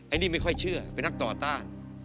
อันนี้ไม่ค่อยเชื่อเป็นนักต่อต้าน